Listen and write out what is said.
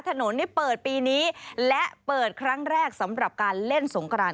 ถนนนี้เปิดปีนี้และเปิดครั้งแรกสำหรับการเล่นสงคราน